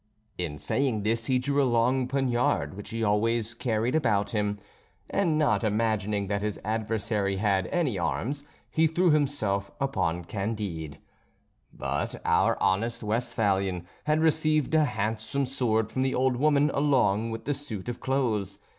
In saying this he drew a long poniard which he always carried about him; and not imagining that his adversary had any arms he threw himself upon Candide: but our honest Westphalian had received a handsome sword from the old woman along with the suit of clothes.